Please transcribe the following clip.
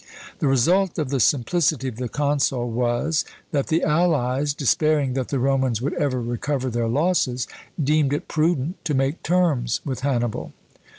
The result of the simplicity of the consul was, that the allies, despairing that the Romans would ever recover their losses, deemed it prudent to make terms with Hannibal.